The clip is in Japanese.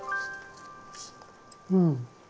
うん。